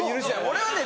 俺はね